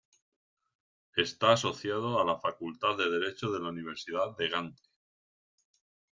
Está asociado a la Facultad de Derecho de la Universidad de Gante.